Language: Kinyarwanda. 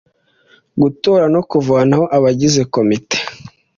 gutora no kuvanaho abagize komite